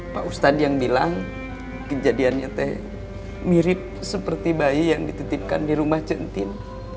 pak ustadz yang bilang kejadiannya teh mirip seperti bayi yang dititipkan di rumah centin